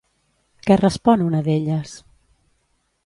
Què respon una d'elles?